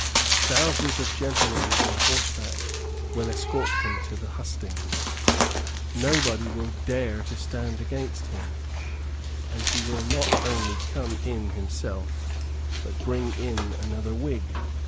Thousands of gentlemen on horseback will escort him to the hustings; nobody will dare to stand against him; and he will not only come in himself, but bring in another Whig.